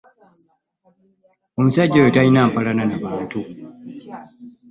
Musajja oyo talina mpalalana na bantu.